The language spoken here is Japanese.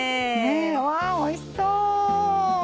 わあおいしそう。